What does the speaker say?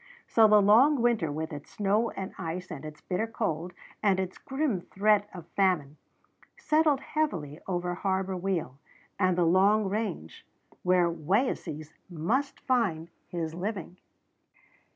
So the long winter, with its snow and ice and its bitter cold and its grim threat of famine, settled heavily over Harbor Weal and the Long Range where Wayeeses must find his living.